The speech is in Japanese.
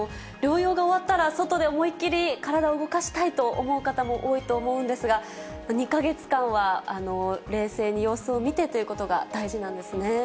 療養が終わったら、外で思いっきり体を動かしたいと思う方も多いと思うんですが、２か月間は、冷静に様子を見てということが大事なんですね。